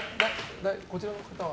こちらの方は？